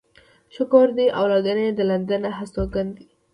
شکر دی اولادونه يې د لندن هستوګن دي.